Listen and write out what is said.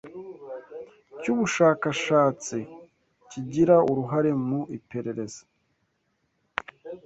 cyubushakashatsi kigira uruhare mu iperereza